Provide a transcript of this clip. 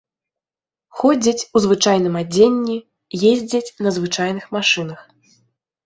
Ходзяць у звычайным адзенні, ездзяць на звычайных машынах.